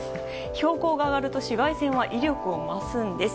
標高が上がると紫外線は威力を増すんです。